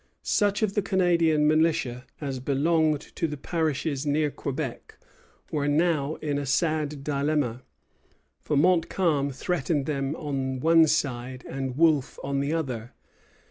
Such of the Canadian militia as belonged to the parishes near Quebec were now in a sad dilemma; for Montcalm threatened them on one side, and Wolfe on the other.